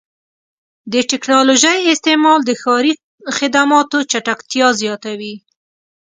د ټکنالوژۍ استعمال د ښاري خدماتو چټکتیا زیاتوي.